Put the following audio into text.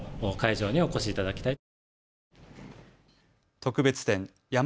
特別展、ー